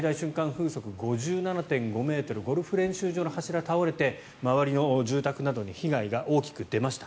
風速５７．５ｍゴルフ練習場の柱が倒れて周りの住宅などに被害が大きく出ました。